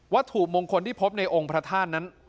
ถูกมงคลที่พบในองค์พระธาตุนั้น